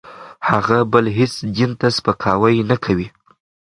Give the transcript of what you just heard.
هغه بل هېڅ دین ته سپکاوی نه کوي.